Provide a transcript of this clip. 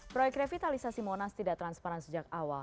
proyek revitalisasi monas tidak transparan sejak awal